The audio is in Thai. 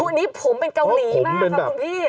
วันนี้ผมเป็นเกาหลีมากค่ะคุณพี่